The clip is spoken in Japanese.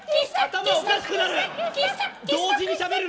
頭おかしくなる。